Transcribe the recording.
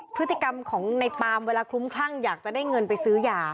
พฤติกรรมของในปามเวลาคลุ้มคลั่งอยากจะได้เงินไปซื้อยา